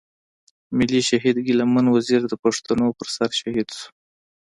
ملي شهيد ګيله من وزير د پښتنو پر سر شهيد شو.